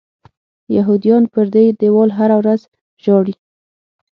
یهودیان پر دې دیوال هره ورځ ژاړي.